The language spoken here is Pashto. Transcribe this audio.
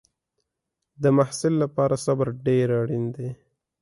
د محصل لپاره صبر ډېر اړین دی.